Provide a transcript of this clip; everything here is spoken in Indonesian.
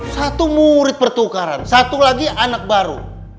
satu murid pertukaran satu lagi anak baru